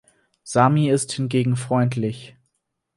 Sami ist hingegen freundlich.